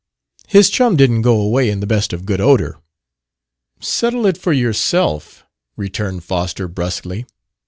"His chum didn't go away in the best of good odor...." "Settle it for yourself," returned Foster brusquely.